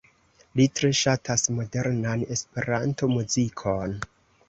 Li tre ŝatas modernan Esperanto-muzikon.